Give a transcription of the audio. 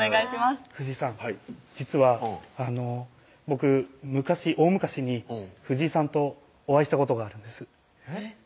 藤井さん実はあの僕大昔に藤井さんとお会いしたことがあるんですえっ？